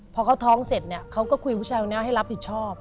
พอเขาท้องเสร็จเนี่ยเขาก็คุยผู้ชายคนนี้ให้รับผิดชอบ